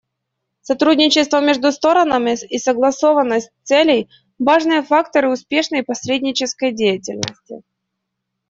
Сотрудничество между сторонами и согласованность целей — важные факторы успешной посреднической деятельности.